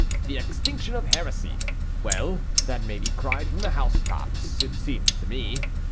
The extinction of heresy. Well, that may be cried from the housetops, it seems to me.